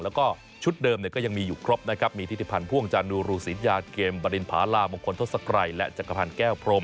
แล้วก็ชุดเดิมก็ยังมีอยู่ครบนะครับมีทิติพันธ์พ่วงจานูรูศิญญาเกมบรินภาลามงคลทศกรัยและจักรพันธ์แก้วพรม